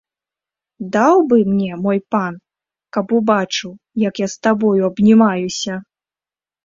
Даў бы мне мой пан, каб убачыў, як я з табою абнімаюся!